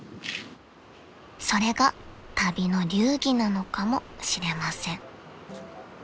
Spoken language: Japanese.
［それが旅の流儀なのかもしれません］